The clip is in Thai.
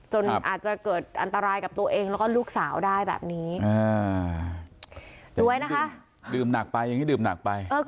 จนอาจจะเกิดอันตรายกับตัวเองแล้วก็ลูกสาวได้แบบนี้รวยนะคะดื่มหนักไปอย่างนี้ดื่มหนักไป